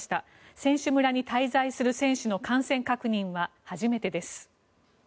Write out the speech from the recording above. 選手村に滞在する選手の感染確認は初めてです。